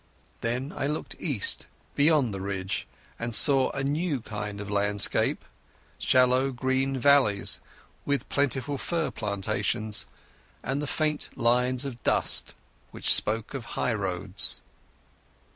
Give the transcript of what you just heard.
Then I looked east beyond the ridge and saw a new kind of landscape—shallow green valleys with plentiful fir plantations and the faint lines of dust which spoke of highroads.